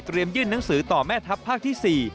ยื่นหนังสือต่อแม่ทัพภาคที่๔